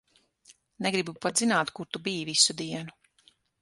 Negribu pat zināt, kur tu biji visu dienu.